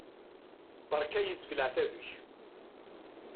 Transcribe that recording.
Beṛka-yi seg leɛtab-ik!